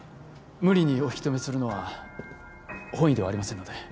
無理にお引き止めするのは本意ではありませんので